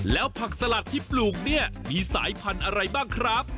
แล้วผักสลัดที่ปลูกเนี่ยมีสายพันธุ์อะไรบ้างครับ